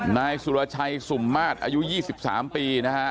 นายสุรชัยสุมมาศอายุยี่สิบสามปี